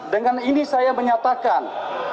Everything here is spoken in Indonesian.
dengan ini saya menyatakan